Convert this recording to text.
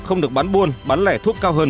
không được bán buôn bán lẻ thuốc cao hơn